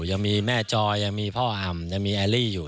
ยังมีแม่จอยยังมีพ่ออ่ำยังมีแอลลี่อยู่